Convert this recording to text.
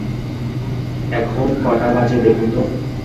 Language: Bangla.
এখন কটা বাজে দেখুন তো।